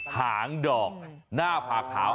หางดอกหน้าผากขาว